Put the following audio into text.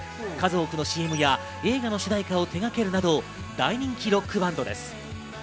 数多くのＣＭや映画の主題歌を手がけるなど、大人気ロックバンドです。